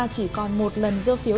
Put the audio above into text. chỉ còn một lần dơ phiếu